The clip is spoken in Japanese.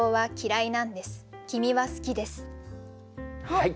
はい！